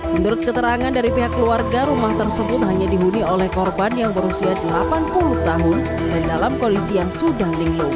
menurut keterangan dari pihak keluarga rumah tersebut hanya dihuni oleh korban yang berusia delapan puluh tahun dan dalam kondisi yang sudah lingin